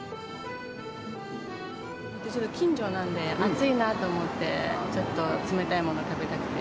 近所なんで、暑いなと思って、ちょっと冷たいもの食べたくて。